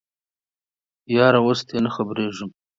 یاره اوس تې نه خبریږم